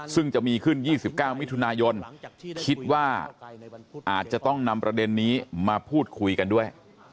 ซึ่งจะมีขึ้น๒๙มิถุนายนคิดว่าอาจจะต้องนำประเด็นนี้มาพูดคุยกันด้วย